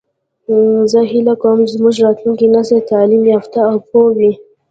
زه هیله کوم چې زموږ راتلونکی نسل تعلیم یافته او پوه وي